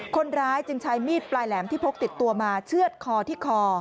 คนร้ายจึงใช้มีดปลายแหลมที่พกติดตัวมาเชื่อดคอที่คอ